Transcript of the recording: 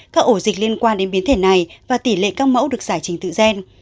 các ổ dịch liên quan đến biến thể này và tỷ lệ các mẫu được giải trình tự gen